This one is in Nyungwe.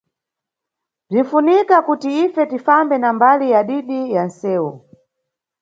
Bzinʼfunika kuti ife tifambe na mbali ya didi ya nʼsewu.